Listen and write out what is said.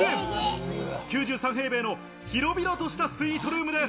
９３平米の広々としたスイートルームです。